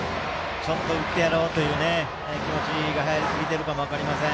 打ってやろうという気持ちがはやりすぎているかもしれません。